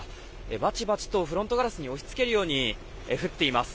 バチバチとフロントガラスに打ち付けるように降っています。